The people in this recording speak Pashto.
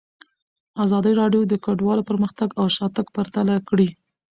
ازادي راډیو د کډوالو پرمختګ او شاتګ پرتله کړی.